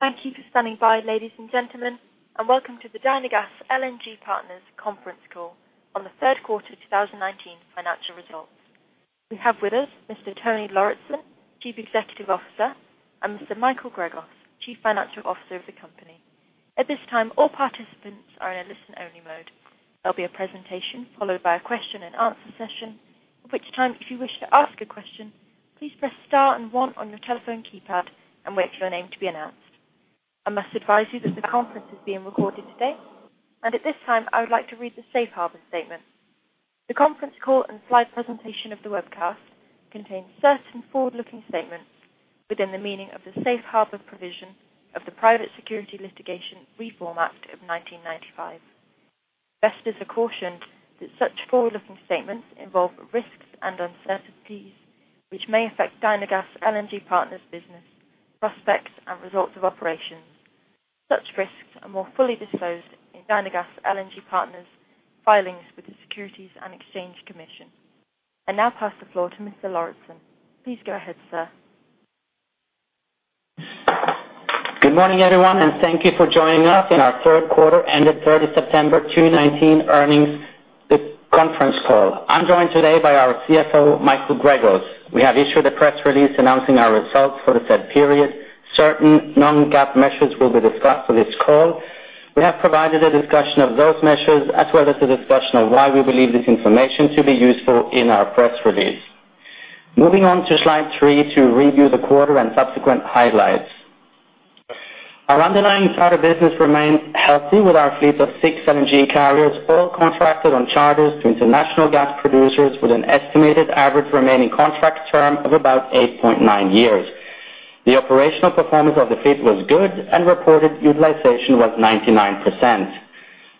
Thank you for standing by, ladies and gentlemen, and welcome to the Dynagas LNG Partners conference call on the third quarter 2019 financial results. We have with us Mr. Tony Lauritzen, Chief Executive Officer, and Mr. Michael Gregos, Chief Financial Officer of the company. At this time, all participants are in a listen-only mode. There'll be a presentation, followed by a question and answer session, at which time, if you wish to ask a question, please press star and one on your telephone keypad and wait for your name to be announced. I must advise you that the conference is being recorded today, and at this time, I would like to read the safe harbor statement. The conference call and slide presentation of the webcast contain certain forward-looking statements within the meaning of the safe harbor provision of the Private Securities Litigation Reform Act of 1995. Investors are cautioned that such forward-looking statements involve risks and uncertainties, which may affect Dynagas LNG Partners business, prospects, and results of operations. Such risks are more fully disclosed in Dynagas LNG Partners' filings with the Securities and Exchange Commission. I now pass the floor to Mr. Lauritzen. Please go ahead, sir. Good morning, everyone, thank you for joining us in our third quarter ended third September 2019 earnings conference call. I'm joined today by our CFO, Michael Gregos. We have issued a press release announcing our results for the said period. Certain non-GAAP measures will be discussed for this call. We have provided a discussion of those measures, as well as a discussion of why we believe this information to be useful in our press release. Moving on to slide three to review the quarter and subsequent highlights. Our underlying charter business remains healthy with our fleet of six LNG carriers all contracted on charters to international gas producers with an estimated average remaining contract term of about 8.9 years. The operational performance of the fleet was good and reported utilization was 99%.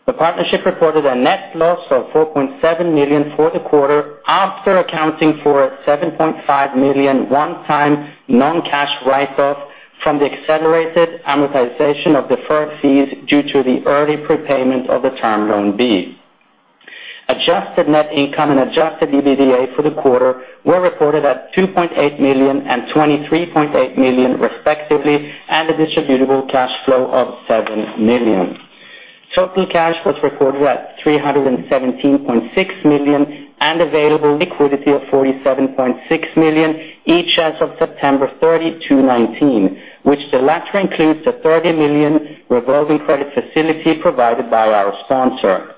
The partnership reported a net loss of $4.7 million for the quarter after accounting for $7.5 million one-time non-cash write-off from the accelerated amortization of deferred fees due to the early prepayment of the Term Loan B. Adjusted net income and adjusted EBITDA for the quarter were reported at $2.8 million and $23.8 million respectively, and a distributable cash flow of $7 million. Total cash was reported at $317.6 million and available liquidity of $47.6 million, each as of September 30, 2019, which the latter includes the $30 million revolving credit facility provided by our sponsor.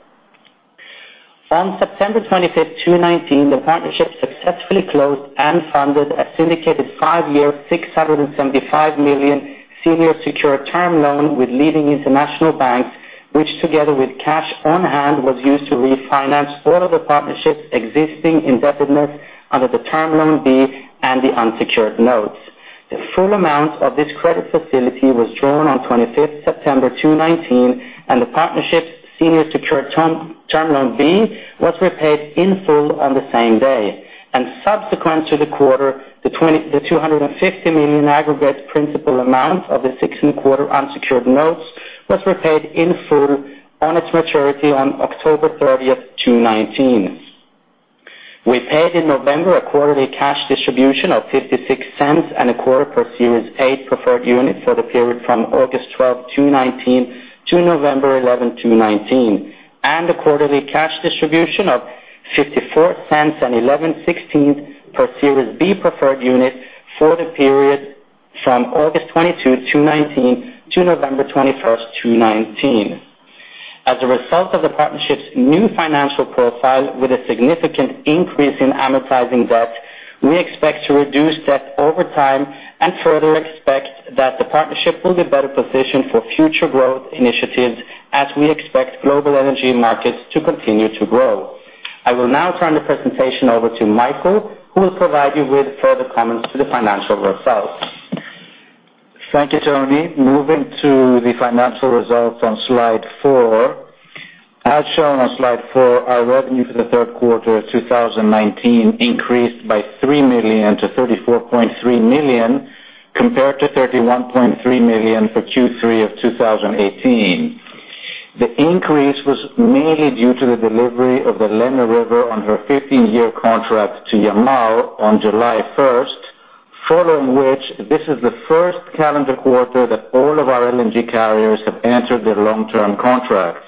On September 25, 2019, the partnership successfully closed and funded a syndicated five-year, $675 million senior secured term loan with leading international banks, which together with cash on hand, was used to refinance all of the partnership's existing indebtedness under the Term Loan B and the unsecured notes. The full amount of this credit facility was drawn on 25th September 2019, and the partnership's senior secured Term Loan B was repaid in full on the same day. Subsequent to the quarter, the $250 million aggregate principal amount of the 6.25% unsecured notes was repaid in full on its maturity on October 30th, 2019. We paid in November a quarterly cash distribution of $0.5625 per share as A preferred unit for the period from August 12, 2019 to November 11, 2019, and a quarterly cash distribution of $0.546875 per Series B preferred unit for the period from August 22, 2019 to November 21st, 2019. As a result of the partnership's new financial profile with a significant increase in amortizing debt, we expect to reduce debt over time and further expect that the partnership will be better positioned for future growth initiatives as we expect global energy markets to continue to grow. I will now turn the presentation over to Michael, who will provide you with further comments to the financial results. Thank you, Tony. Moving to the financial results on slide four. As shown on slide four, our revenue for the third quarter of 2019 increased by $3 million to $34.3 million, compared to $31.3 million for Q3 of 2018. The increase was mainly due to the delivery of the Lena River on her 15-year contract to Yamal on July 1st, following which this is the first calendar quarter that all of our LNG carriers have entered their long-term contracts.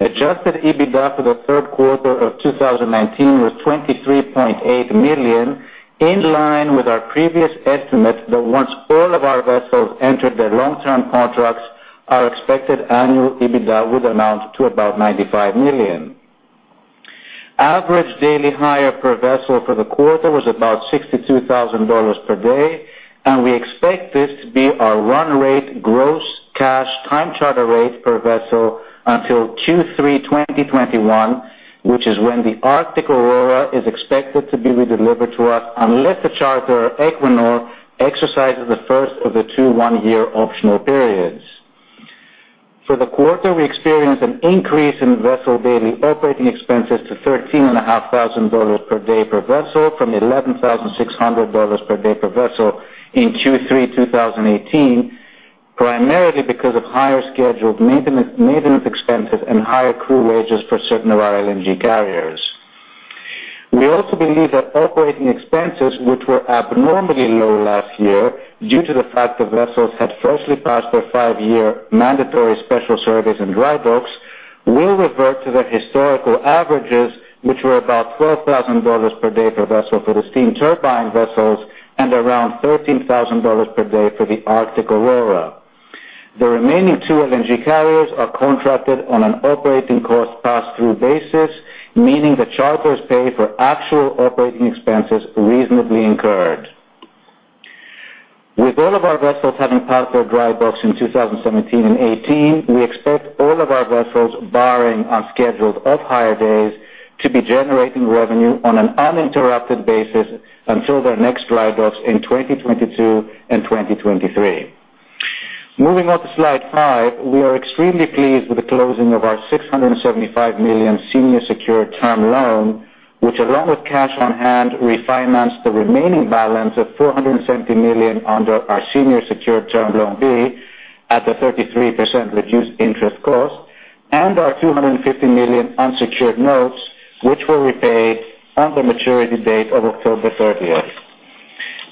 Adjusted EBITDA for the third quarter of 2019 was $23.8 million, in line with our previous estimate that once all of our vessels entered their long-term contracts, our expected annual EBITDA would amount to about $95 million. Average daily hire per vessel for the quarter was about $62,000 per day, and we expect this to be our run rate gross cash time charter rate per vessel until Q3 2021, which is when the Arctic Aurora is expected to be redelivered to us unless the charterer, Equinor, exercises the first of the two one-year optional periods. For the quarter, we experienced an increase in vessel daily operating expenses to $13,500 per day per vessel from $11,600 per day per vessel in Q3 2018, primarily because of higher scheduled maintenance expenses and higher crew wages for certain of our LNG carriers. We also believe that operating expenses, which were abnormally low last year due to the fact the vessels had freshly passed their five-year mandatory special surveys and dry docks, will revert to their historical averages, which were about $12,000 per day per vessel for the steam turbine vessels and around $13,000 per day for the Arctic Aurora. The remaining two LNG carriers are contracted on an operating cost pass-through basis, meaning the charters pay for actual operating expenses reasonably incurred. With all of our vessels having passed their dry docks in 2017 and 2018, we expect all of our vessels, barring unscheduled off-hire days, to be generating revenue on an uninterrupted basis until their next dry docks in 2022 and 2023. Moving on to slide five. We are extremely pleased with the closing of our $675 million senior secured term loan, which along with cash on hand, refinanced the remaining balance of $470 million under our senior secured Term Loan B at a 33% reduced interest cost, and our $250 million unsecured notes, which were repaid on the maturity date of October 30th.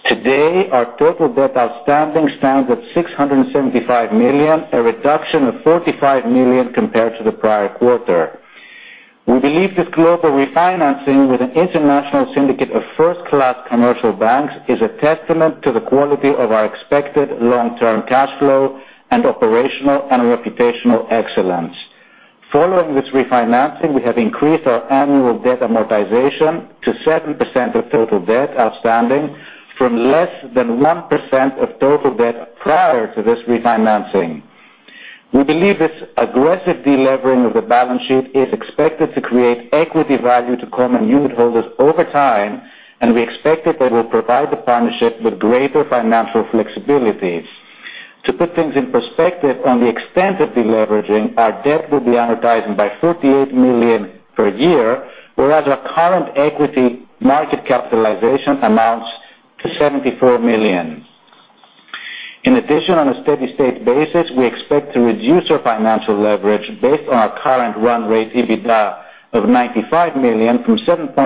Today, our total debt outstanding stands at $675 million, a reduction of $45 million compared to the prior quarter. We believe this global refinancing with an international syndicate of first-class commercial banks is a testament to the quality of our expected long-term cash flow and operational and reputational excellence. Following this refinancing, we have increased our annual debt amortization to 7% of total debt outstanding from less than 1% of total debt prior to this refinancing. We believe this aggressive de-levering of the balance sheet is expected to create equity value to common unit holders over time, and we expect that they will provide the partnership with greater financial flexibilities. To put things in perspective on the extent of de-leveraging, our debt will be amortizing by $58 million per year, whereas our current equity market capitalization amounts to $74 million. In addition, on a steady-state basis, we expect to reduce our financial leverage based on our current run rate EBITDA of $95 million from 7.1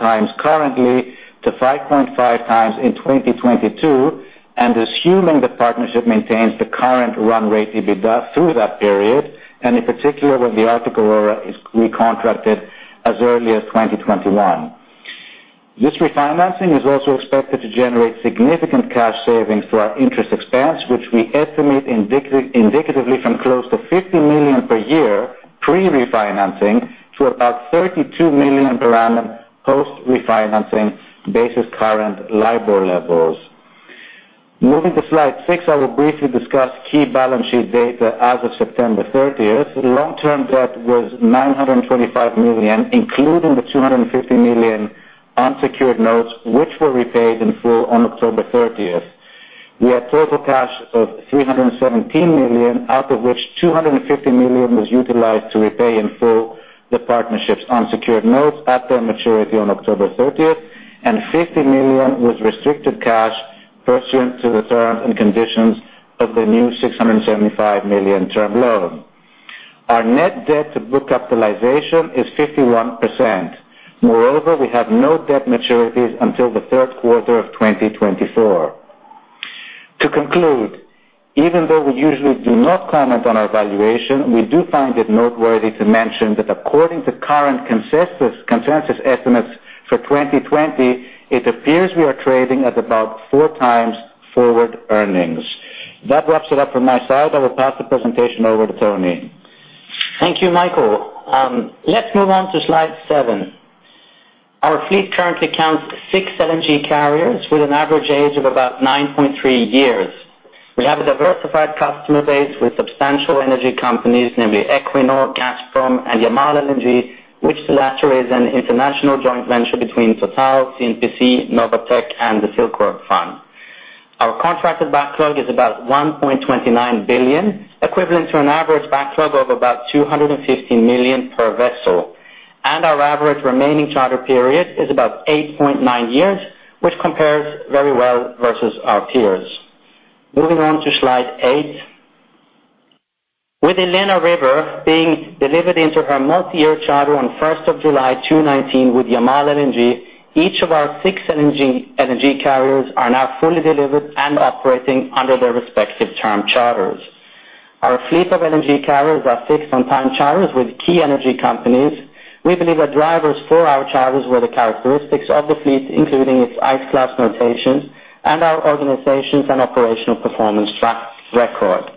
times currently to 5.5 times in 2022, and assuming the partnership maintains the current run rate EBITDA through that period, and in particular, when the Arctic Aurora is recontracted as early as 2021. This refinancing is also expected to generate significant cash savings for our interest expense, which we estimate indicatively from close to $50 million per year pre-refinancing to about $32 million per annum post-refinancing basis current LIBOR levels. Moving to slide six, I will briefly discuss key balance sheet data as of September 30th. Long-term debt was $925 million, including the $250 million unsecured notes, which were repaid in full on October 30th. We had total cash of $317 million, out of which $250 million was utilized to repay in full the partnership's unsecured notes at their maturity on October 30th, and $50 million was restricted cash pursuant to the terms and conditions of the new $675 million term loan. Our net debt to book capitalization is 51%. Moreover, we have no debt maturities until the third quarter of 2024. To conclude, even though we usually do not comment on our valuation, we do find it noteworthy to mention that according to current consensus estimates for 2020, it appears we are trading at about four times forward earnings. That wraps it up from my side. I will pass the presentation over to Tony. Thank you, Michael. Let's move on to slide seven. Our fleet currently counts six LNG carriers with an average age of about 9.3 years. We have a diversified customer base with substantial energy companies, namely Equinor, Gazprom, and Yamal LNG, which the latter is an international joint venture between Total, CNPC, Novatek, and the Silk Road Fund. Our contracted backlog is about $1.29 billion, equivalent to an average backlog of about $250 million per vessel. Our average remaining charter period is about 8.9 years, which compares very well versus our peers. Moving on to slide eight. With Lena River being delivered into her multi-year charter on 1st of July 2019 with Yamal LNG, each of our six LNG carriers are now fully delivered and operating under their respective term charters. Our fleet of LNG carriers are fixed on time charters with key energy companies. We believe the drivers for our charters were the characteristics of the fleet, including its ice class notations and our organization's and operational performance track record.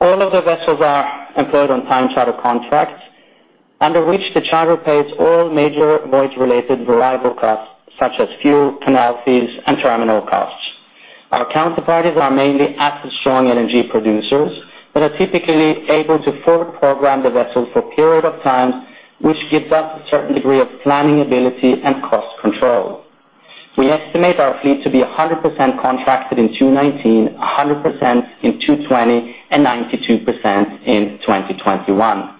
All of the vessels are employed on time charter contracts, under which the charter pays all major voyage related variable costs such as fuel, canal fees, and terminal costs. Our counterparties are mainly asset strong LNG producers that are typically able to forward program the vessel for a period of time, which gives us a certain degree of planning ability and cost control. We estimate our fleet to be 100% contracted in 2019, 100% in 2020, and 92% in 2021.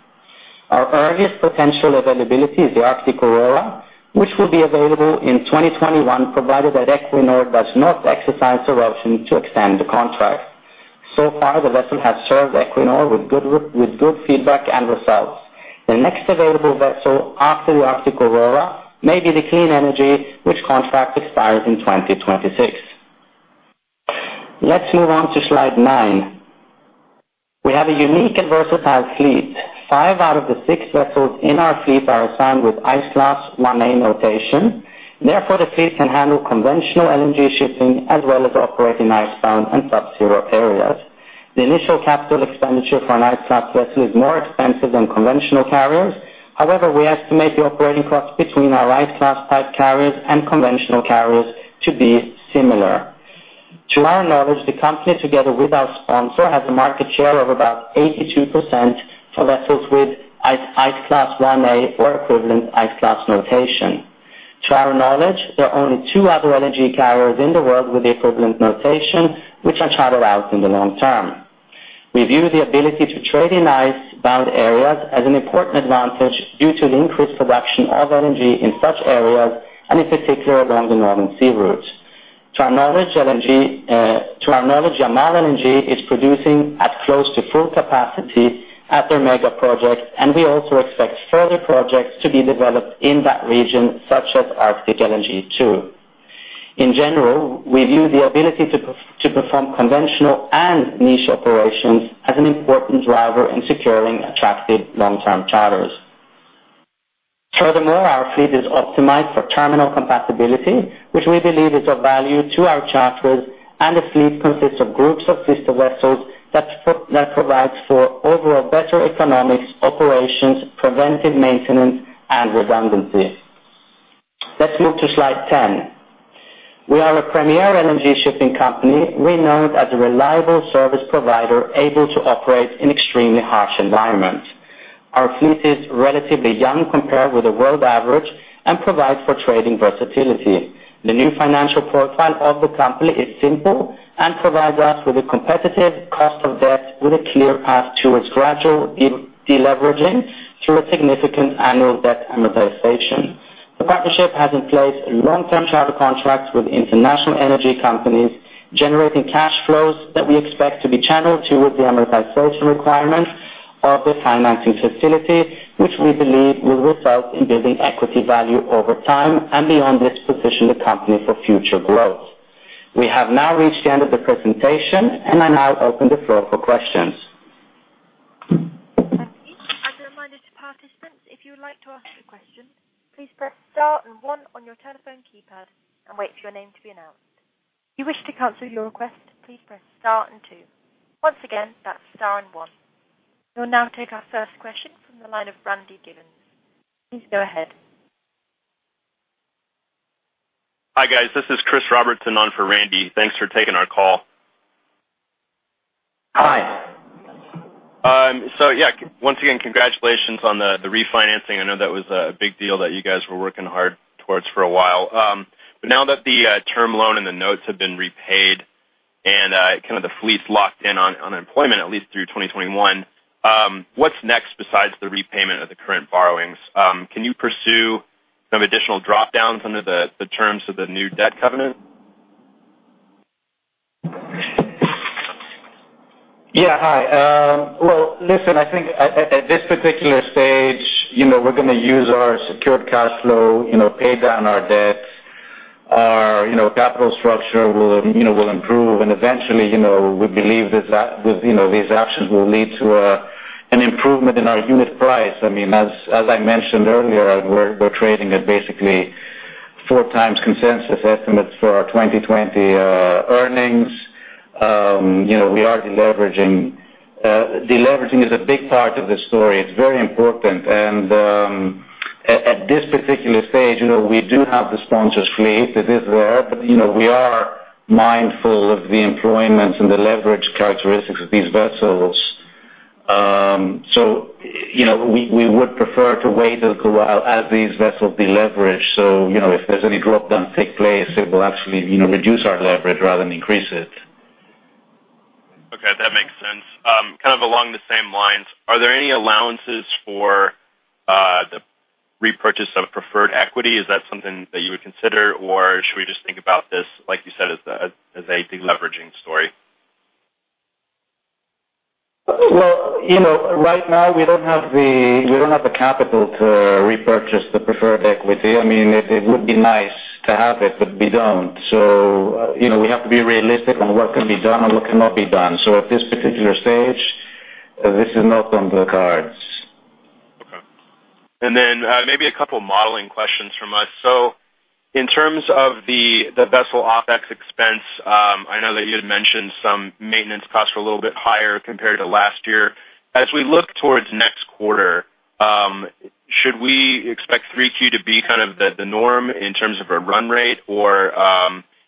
Our earliest potential availability is the Arctic Aurora, which will be available in 2021, provided that Equinor does not exercise their option to extend the contract. Far, the vessel has served Equinor with good feedback and results. The next available vessel after the Arctic Aurora may be the Clean Energy, which contract expires in 2026. Let's move on to slide nine. We have a unique and versatile fleet. Five out of the six vessels in our fleet are assigned with Ice Class 1A notation. Therefore, the fleet can handle conventional LNG shipping as well as operate in icebound and subzero areas. The initial capital expenditure for an Ice Class vessel is more expensive than conventional carriers. However, we estimate the operating costs between our Ice Class type carriers and conventional carriers to be similar. To our knowledge, the company together with our sponsor, has a market share of about 82% for vessels with Ice Class 1A or equivalent Ice Class notation. To our knowledge, there are only two other LNG carriers in the world with the equivalent notation which can charter out in the long term. We view the ability to trade in ice-bound areas as an important advantage due to the increased production of LNG in such areas, and in particular, along the Northern Sea Route. To our knowledge, Yamal LNG is producing at close to full capacity at their mega projects, and we also expect further projects to be developed in that region, such as Arctic LNG 2. In general, we view the ability to perform conventional and niche operations as an important driver in securing attractive long-term charters. Furthermore, our fleet is optimized for terminal compatibility, which we believe is of value to our charters, and the fleet consists of groups of sister vessels that provides for overall better economics, operations, preventive maintenance, and redundancies. Let's move to slide 10. We are a premier LNG shipping company renowned as a reliable service provider able to operate in extremely harsh environments. Our fleet is relatively young compared with the world average and provides for trading versatility. The new financial profile of the company is simple and provides us with a competitive cost of debt with a clear path towards gradual de-leveraging through a significant annual debt amortization. The partnership has in place long-term charter contracts with international energy companies, generating cash flows that we expect to be channeled towards the amortization requirements of the financing facility, which we believe will result in building equity value over time and beyond this position the company for future growth. We have now reached the end of the presentation, and I now open the floor for questions. Thank you. As a reminder to participants, if you would like to ask a question, please press star and one on your telephone keypad and wait for your name to be announced. If you wish to cancel your request, please press star and two. Once again, that's star and one. We will now take our first question from the line of Randy Giveans. Please go ahead. Hi, guys. This is Chris Robertson on for Randy. Thanks for taking our call. Hi. Yeah. Once again, congratulations on the refinancing. I know that was a big deal that you guys were working hard towards for a while. Now that the Term Loan B and the notes have been repaid and the fleet's locked in on employment at least through 2021, what's next besides the repayment of the current borrowings? Can you pursue some additional drop-downs under the terms of the new debt covenant? Well, listen, I think at this particular stage, we're going to use our secured cash flow, pay down our debts. Our capital structure will improve, eventually, we believe these actions will lead to an improvement in our unit price. As I mentioned earlier, we're trading at basically 4 times consensus estimates for our 2020 earnings. We are de-leveraging. De-leveraging is a big part of this story. It's very important. At this particular stage, we do have the sponsor's fleet. It is there. We are mindful of the employment and the leverage characteristics of these vessels. We would prefer to wait a little while as these vessels de-leverage. If there's any drop-down take place, it will actually reduce our leverage rather than increase it. Okay, that makes sense. Kind of along the same lines, are there any allowances for the repurchase of preferred equity? Is that something that you would consider, or should we just think about this, like you said, as a de-leveraging story? Well, right now we don't have the capital to repurchase the preferred equity. It would be nice to have it, but we don't. We have to be realistic on what can be done and what cannot be done. At this particular stage, this is not on the cards. Okay. Then maybe a couple modeling questions from us. In terms of the vessel OpEx expense, I know that you had mentioned some maintenance costs were a little bit higher compared to last year. As we look towards next quarter, should we expect 3Q to be kind of the norm in terms of a run rate, or is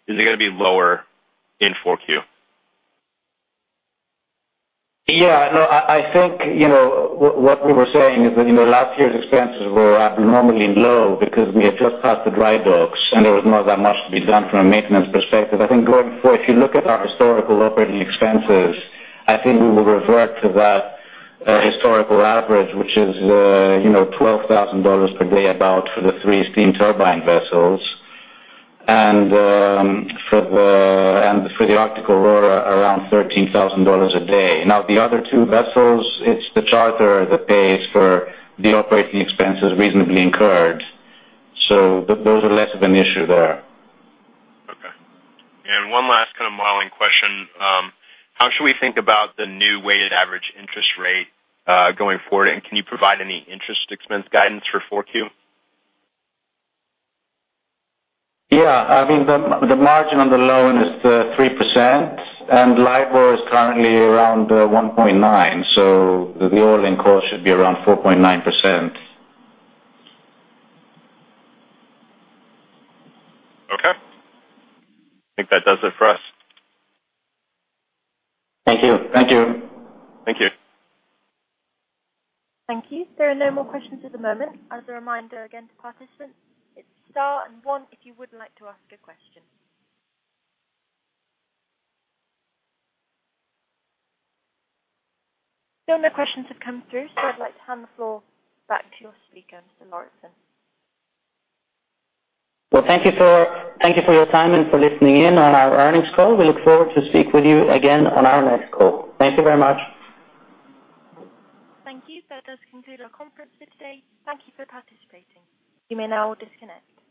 it going to be lower in 4Q? Yeah, no. I think what we were saying is that last year's expenses were abnormally low because we had just passed the dry docks, and there was not that much to be done from a maintenance perspective. I think going forward, if you look at our historical operating expenses, I think we will revert to that historical average, which is $12,000 per day about for the three steam turbine vessels, and for the Arctic Aurora, around $13,000 a day. Now, the other two vessels, it's the charter that pays for the operating expenses reasonably incurred. Those are less of an issue there. Okay. One last kind of modeling question. How should we think about the new weighted average interest rate going forward, and can you provide any interest expense guidance for 4Q? The margin on the loan is 3%, and LIBOR is currently around 1.9%, so the all-in cost should be around 4.9%. Okay. I think that does it for us. Thank you. Thank you. Thank you. There are no more questions at the moment. As a reminder again to participants, it is star and one if you would like to ask a question. Still no questions have come through, so I would like to hand the floor back to your speaker, Mr. Lauritzen. Well, thank you for your time and for listening in on our earnings call. We look forward to speak with you again on our next call. Thank you very much. Thank you. That does conclude our conference for today. Thank you for participating. You may now disconnect.